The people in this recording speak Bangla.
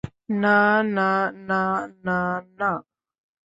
না, না, না, না, না!